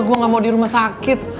gue gak mau di rumah sakit